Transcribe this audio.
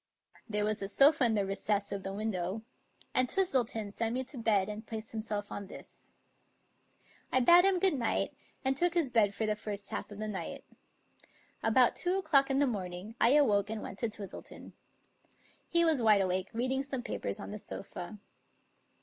There was a sofa in the recess of the window, and Twistleton sent me to bed and placed himself on this. I bade him good night, and took his bed for the first half of the night. About two o'clock in the morning I awoke and went to Twistleton. He was wide awake, reading some papers on the sofa.